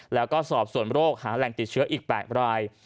แล้วก็สอบส่วนโรคหาแหล่งติดเชื้ออีก๘ราย